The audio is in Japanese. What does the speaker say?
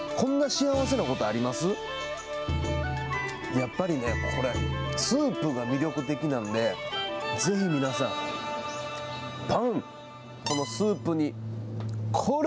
やっぱりね、これ、スープが魅力的なので、ぜひ皆さん、パン、このスープに、これ！